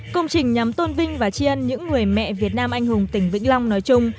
công trình nhằm tôn vinh và chiên những người mẹ việt nam anh hùng tỉnh vĩnh long nói chung